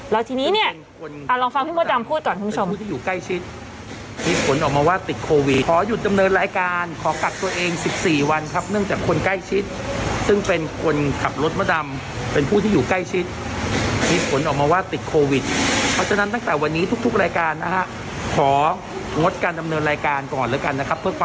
แล้วทีนี้เนี้ยอะลองฟังพี่มดรรมพูดก่อนทุกคน